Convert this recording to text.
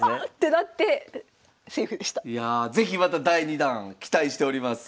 いや是非また第２弾期待しております。